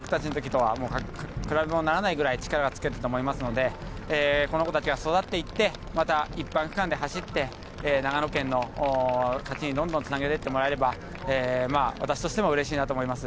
僕たちの時とは比べ物にならないくらい力をつけていると思いますのでこの子たちが育ってまた一般区間で走って長野の勝ちにどんどんつなげていってもらえば私としてもうれしいなと思います。